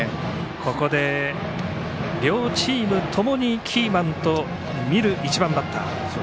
ここで両チーム共にキーマンと見る１番バッター。